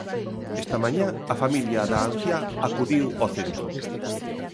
Esta mañá a familia da anciá acudiu o centro.